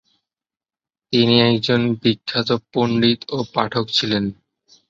তিনি একজন বিখ্যাত পণ্ডিত ও পাঠক ছিলেন।